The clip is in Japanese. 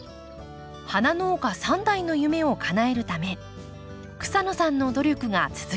花農家３代の夢をかなえるため草野さんの努力が続きます。